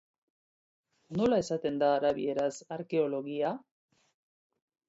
Nola esaten da arabieraz "arkeologia"?